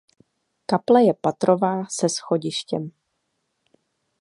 Kaple je patrová se schodištěm.